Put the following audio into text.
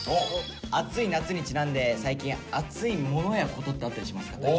暑い夏にちなんで最近アツい物やことってあったりしますか？